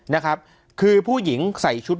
นะครับคือผู้หญิงใส่ชุด